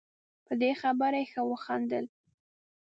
په دې خبره یې ښه وخندل.